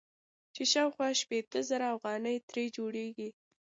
چې شاوخوا شپېته زره افغانۍ ترې جوړيږي.